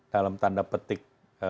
dalam tanda petik